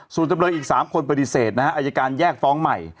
ส่วนจำเลยอีก๓คนปฏิเสธนะฮะอายการแยกฟ้องใหม่